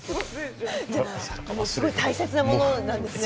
じゃすごい大切なものなんですね？